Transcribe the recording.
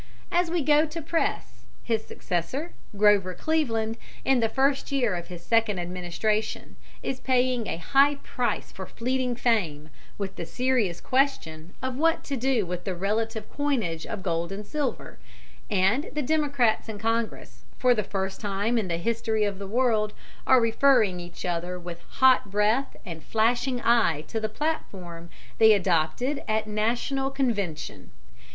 As we go to press, his successor, Grover Cleveland, in the first year of his second administration, is paying a high price for fleeting fame, with the serious question of what to do with the relative coinage of gold and silver, and the Democrats in Congress, for the first time in the history of the world, are referring each other with hot breath and flashing eye to the platform they adopted at the National Convention.